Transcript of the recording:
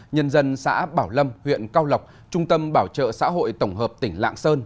nhân dân xã bảo lâm huyện cao lộc trung tâm bảo trợ xã hội tổng hợp tỉnh lạng sơn